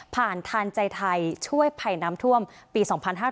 ผ่านฐานใจไทยช่วยภัยน้ำท่วมปี๒๕๖๕